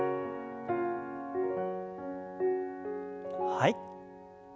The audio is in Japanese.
はい。